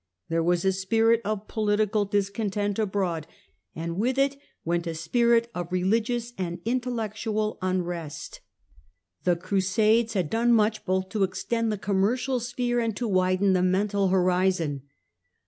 There was a spirit of political discontent abroad, and with it went a spirit of religious and intellectual unrest. The THE COMING OF THE FRIARS 229 Crusades had done much both to extend the commercial sphere and to widen the mental horizon.